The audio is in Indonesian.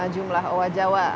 jumlah owa jawa